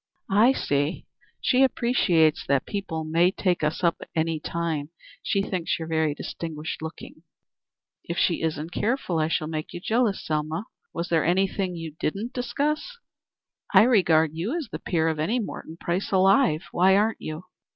"I see. She appreciates that people may take us up any time. She thinks you are distinguished looking." "If she isn't careful, I shall make you jealous, Selma. Was there anything you didn't discuss?" "I regard you as the peer of any Morton Price alive. Why aren't you?"